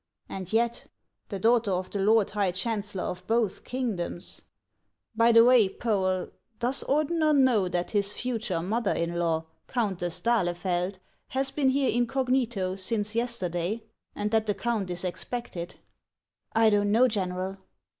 And yet, the daughter of the Lord High Chancellor of both kingdoms — By the way, Poel, does Ordeuer know that his future mother in law, Countess d'Ahlefeld, has been here incognito since yesterday, and that the count is expected ?"" I don't know, General."